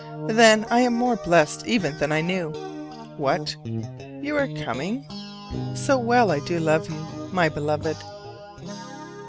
Then I am more blessed even than I knew. What, you are coming? So well I do love you, my Beloved!